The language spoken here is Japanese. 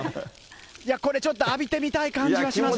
いやこれちょっと浴びてみたい感じします。